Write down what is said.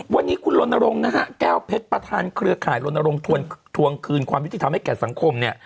วันนี้คุณโรนารงศ์แก้วเพชรประธานเครือข่ายโรนารงศ์ทวงคืนความยุติธรรมให้แก่สังคม